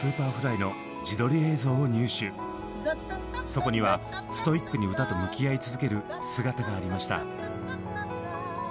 そこにはストイックに歌と向き合い続ける姿がありました。